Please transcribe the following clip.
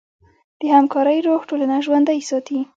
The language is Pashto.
د همکارۍ روح ټولنه ژوندۍ ساتي.